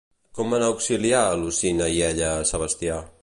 Com van auxiliar Lucina i ella a Sebastià?